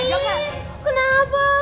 lu gak kenapa kenapa kan lin